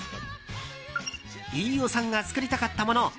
飯尾さんが作りたかったもの